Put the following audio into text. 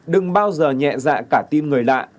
đừng bao giờ nhẹ dạ cả tim người lạ